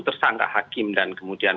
tersangka hakim dan kemudian